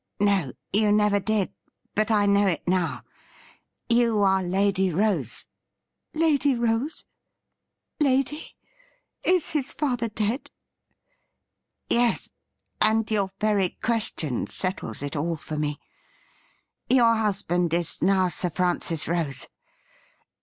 ' No, you never did, but I know it now. You are Lady Rose.' ' Lady Rose .'' Lady ? Is his father dead T ' Yes, and your very question settles it all for me. Your husband is now Sir Francis Rose.